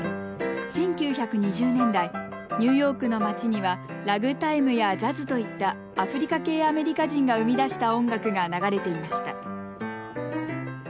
１９２０年代ニューヨークの街にはラグタイムやジャズといったアフリカ系アメリカ人が生み出した音楽が流れていました。